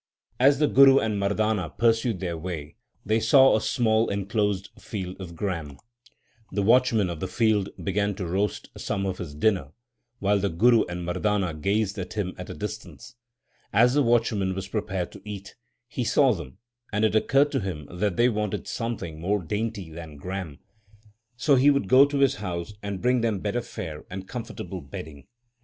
As the Guru and Mardana pursued their way they saw a small enclosed field of gram. 2 The watchman of the field began to roast some for his dinner, while the Guru and Mardana gazed at him at a distance. As the watchman was preparing to eat, he saw them, and it occurred to him that they wanted something more dainty than gram, so he would go to his house and bring them better fare and comfortable bedding.